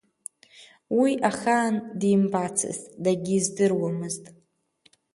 Уи ахаан димбацызт, дагьиздыруамызт.